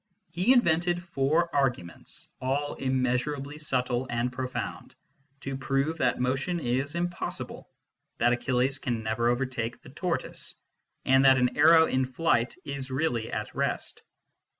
He invented four arguments, all immeasurably subtle and profound, to prove that motion is impossible, that Achilles can never overtake the tortoise, and that an arrow in flight is really at rest.